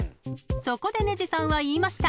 ［そこでねじさんは言いました］